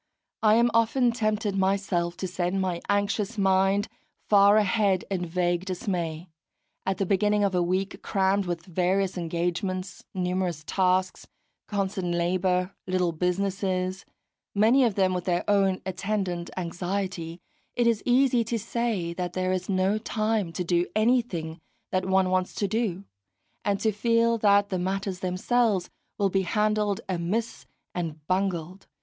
I am often tempted myself to send my anxious mind far ahead in vague dismay; at the beginning of a week crammed with various engagements, numerous tasks, constant labour, little businesses, many of them with their own attendant anxiety, it is easy to say that there is no time to do anything that one wants to do, and to feel that the matters themselves will be handled amiss and bungled.